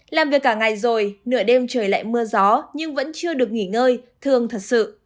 làm việc cả ngày rồi nửa đêm trời lại mưa gió nhưng vẫn chưa được nghỉ ngơi thường thật sự